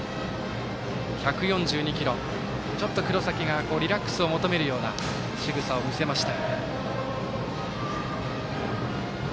ちょっと黒崎がリラックスを求めるようなしぐさを見せました。